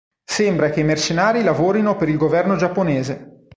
Sembra che i mercenari lavorino per il governo giapponese.